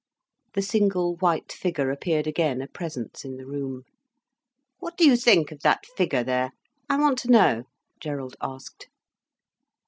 The single white figure appeared again, a presence in the room. "What do you think of that figure there? I want to know," Gerald asked.